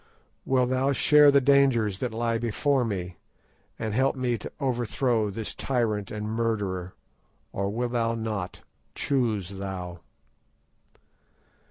Wilt thou share the dangers that lie before me, and help me to overthrow this tyrant and murderer, or wilt thou not? Choose thou."